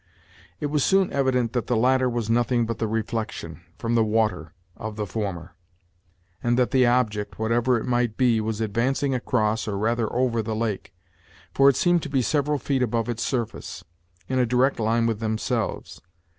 It was soon evident that the latter was nothing but the reflection, from the water, of the former, and that the object, whatever it might be, was advancing across, or rather over the lake, for it seemed to be several feet above its surface, in a direct line with themselves.